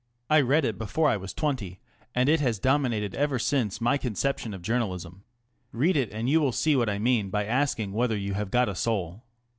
I read it before I was twenty, and it has dominated ever since my conception of journalism. Read it and you will see what I mean by asking whether you have got a soul.